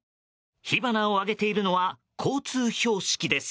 火花を上げているのは交通標識です。